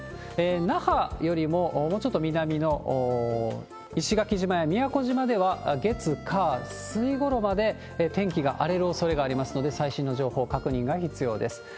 那覇よりももうちょっと南の石垣島や宮古島では、月、火、水ごろまで天気が荒れるおそれがありますので、最新の情報、確認が必要です。